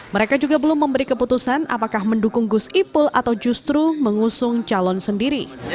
mereka juga belum memberi keputusan apakah mendukung gus ipul atau justru mengusung calon sendiri